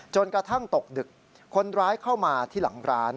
จนกระทั่งตกดึกคนร้ายเข้ามาที่หลังร้าน